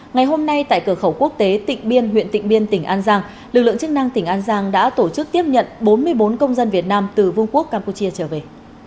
ngày hôm nay tại cửa khẩu quốc tế tịnh biên huyện tịnh biên tỉnh an giang lực lượng chức năng tỉnh an giang đã tổ chức tiếp nhận bốn mươi bốn công dân việt nam từ vương quốc campuchia trở về